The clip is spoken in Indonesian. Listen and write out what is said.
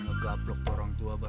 ngegaplok tuh orang tua bar